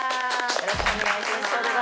よろしくお願いします！